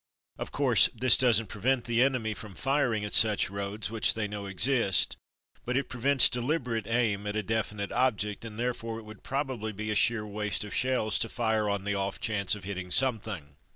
Of course this doesn't prevent the enemy from firing at such roads which they know exist, but it prevents deliberate aim at a definite object and therefore it would prob ably be a sheer waste of shells to fire on the off chance of hitting something.